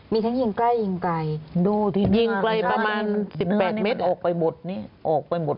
มีทั้งยิงใกล้ยิงใกล้ดูที่หน้าคือได้เนื้อนี้มันออกไปหมดนี่ยิงใกล้ประมาณ๑๘เมตร